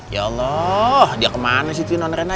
ya allah dia kemana sih non rena